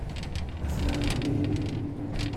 Aten-a deg umihi.